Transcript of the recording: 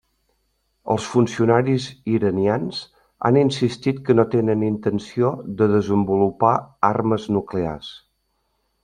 Els funcionaris iranians han insistit que no tenen intenció de desenvolupar armes nuclears.